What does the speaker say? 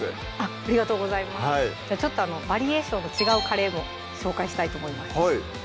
ありがとうございますじゃあちょっとバリエーションの違うカレーも紹介したいと思います